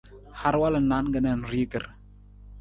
Har walu na naan ka nanrigir.